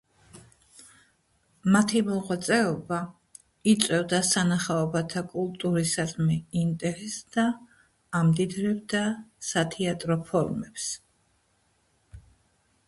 მათი მოღვაწეობა იწვევდა სანახაობათა კულტურისადმი ინტერესს და ამდიდრებდა სათეატრო ფორმებს.